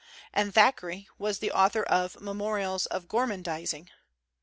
And Thackeray was the author of * Memorials of Gormandizing.'